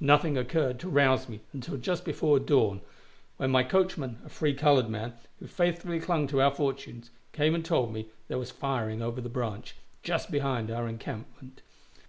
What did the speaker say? Nothing occurred to rouse me until just before dawn, when my coachman, a free colored man, who faithfully clung to our fortunes, came and told me there was firing over the branch, just behind our encampment.